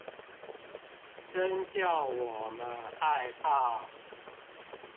真叫我們害怕